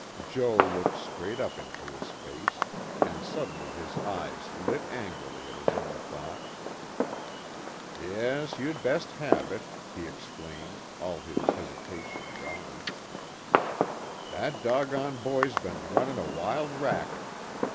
Joe looked straight up into his face, and suddenly his eyes lit angrily at his own thought. "Yes, you'd best have it," he exclaimed, all his hesitation gone; "that dogone boy's been runnin' a wild racket.